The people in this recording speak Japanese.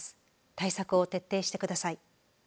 対策を徹底してください。